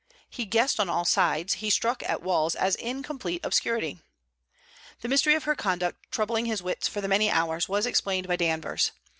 He guessed on all sides; he struck at walls, as in complete obscurity. The mystery of her conduct troubling his wits for the many hours was explained by Danvers.